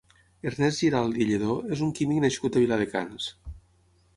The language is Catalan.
Ernest Giralt i Lledó és un químic nascut a Viladecans.